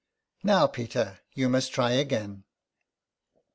" Now, Peter, you must try again.''